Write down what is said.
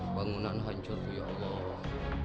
bangunan hancur ya allah